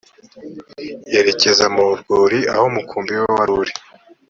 yerekeza mu rwuri aho umukumbi we wari